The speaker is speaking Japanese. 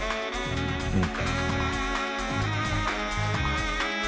うん。